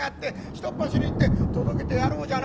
ひとっ走り行って届けてやろうじゃないか」。